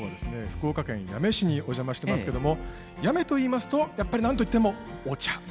福岡県八女市にお邪魔してますけども八女といいますとやっぱりなんといってもお茶。